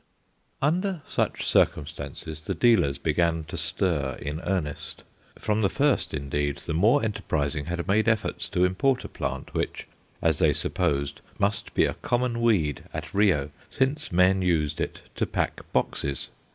Under such circumstances the dealers began to stir in earnest. From the first, indeed, the more enterprising had made efforts to import a plant which, as they supposed, must be a common weed at Rio, since men used it to "pack" boxes.